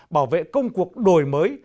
bảo vệ công cuộc đổi mới